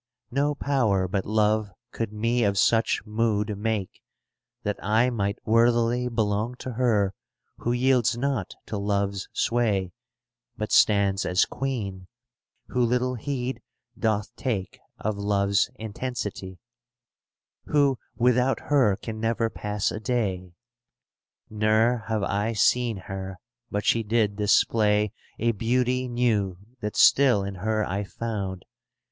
126 CANZONIERE No power but Love could me of such mood make, That I might worthily Belong to her who yields not to Love's sway, But stands as queen, who little heed doth take Of love's intensity, Who without her can never pass a day. "" Ne'er have I seen her but she did display A beauty new that still in her I found.